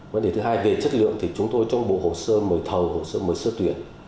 vấn đề thứ hai về chất lượng thì chúng tôi trong bộ hồ sơ mời thầu hồ sơ mời sơ tuyển